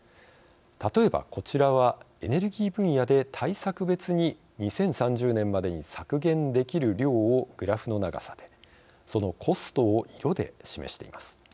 例えばこちらはエネルギー分野で対策別に２０３０年までに削減できる量をグラフの長さでそのコストを色で示しています。